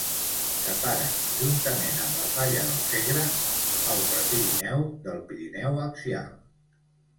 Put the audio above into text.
Separa, juntament amb la falla del Segre, el Prepirineu del Pirineu axial.